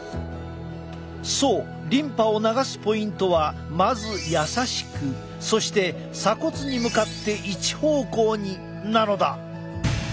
そうリンパを流すポイントはまず「やさしく」そして「鎖骨に向かって一方向に」なのだ！